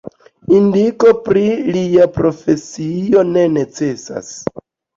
Indiko pri lia profesio ne necesas.